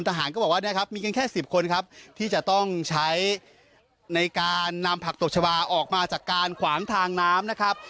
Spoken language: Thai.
ทหารก็บอกว่าเนี่ยครับมีกันแค่สิบคนครับที่จะต้องใช้ในการนำผักตบชาวาออกมาจากการขวางทางน้ำนะครับ